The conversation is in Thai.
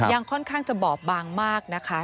ยังค่อนข้างจะบอบบางมากนะคะ